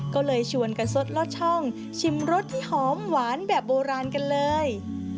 ก็เลยชวนกันสดลอดช่องชิมรสที่หอมหวานแบบโบราณกันเลย